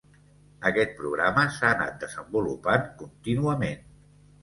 Aquest programa s'ha anat desenvolupant contínuament.